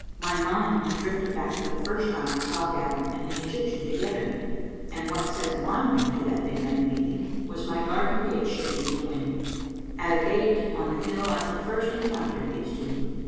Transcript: My mind had drifted back to the first time I saw Gavin and the Egyptian together, and what set it wandering to that midnight meeting was my garden gate shaking in the wind. At a gate on the hill I had first encountered these two.